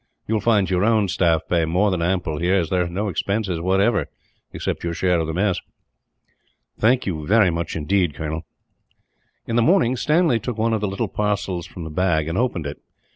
You will find your own staff pay more than ample, here; as there are no expenses, whatever, except your share of the mess." "Thank you very much, indeed, Colonel." In the morning, Stanley took one of the little parcels from the bag and opened it.